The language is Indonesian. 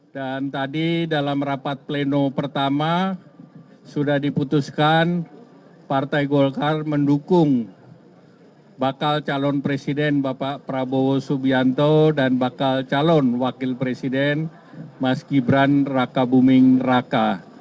dan tadi dalam rapat pleno pertama sudah diputuskan partai golkar mendukung bakal calon presiden bapak prabowo subianto dan bakal calon wakil presiden mas gibran raka buming raka